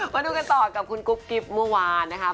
มาดูกันต่อกับคุณกุ๊บกิ๊บเมื่อวานนะคะ